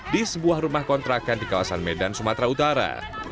di sebuah rumah kontrakan di kawasan medan sumatera utara